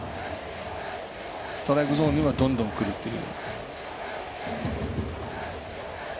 ストライクゾーンにはどんどんくるという。